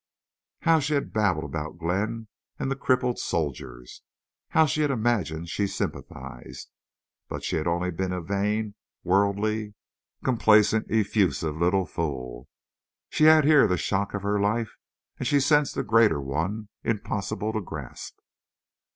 How she had babbled about Glenn and the crippled soldiers! How she had imagined she sympathized! But she had only been a vain, worldly, complacent, effusive little fool. She had here the shock of her life, and she sensed a greater one, impossible to grasp.